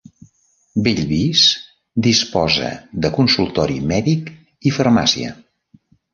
Bellvís disposa de consultori mèdic i farmàcia.